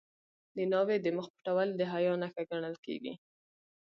د ناوې د مخ پټول د حیا نښه ګڼل کیږي.